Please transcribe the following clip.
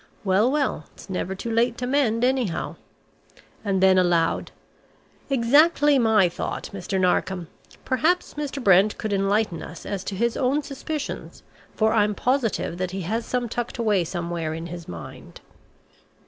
"Well, well, it's never too late to mend, anyhow." And then aloud, "Exactly my thought, Mr. Narkom. Perhaps Mr. Brent could enlighten us as to his own suspicions, for I'm positive that he has some tucked away somewhere in his mind."